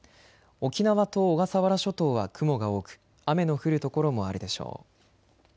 沖縄と小笠原諸島は雲が多く雨の降る所もあるでしょう。